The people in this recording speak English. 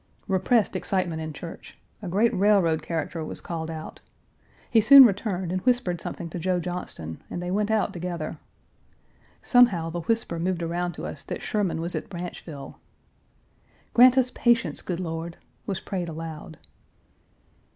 Repressed excitement in church. A great railroad character was called out. He soon returned and whispered something to Joe Johnston and they went out together. Somehow the whisper moved around to us that Sherman was at Branchville. "Grant us patience, good Lord," was prayed aloud.